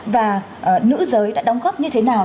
và nữ giới đã đóng góp như thế nào